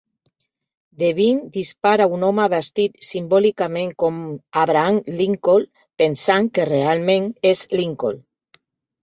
Devine dispara un home vestit simbòlicament com Abraham Lincoln, pensant que realment és Lincoln.